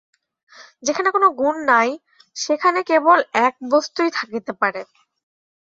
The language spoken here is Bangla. যেখানে কোন গুণ নাই, সেখানে কেবল এক বস্তুই থাকিতে পারে।